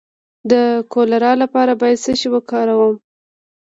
د کولرا لپاره باید څه شی وکاروم؟